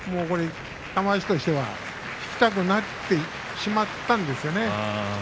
玉鷲としては引きたくなってしまったんですね。